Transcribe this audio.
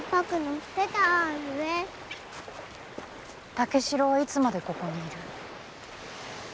「武四郎はいつまでここにいる？」。